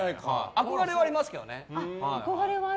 憧れはありますけどね。